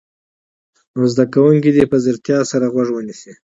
نور زده کوونکي دې په ځیرتیا سره غوږ ونیسي.